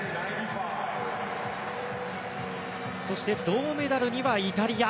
銅メダルにはイタリア。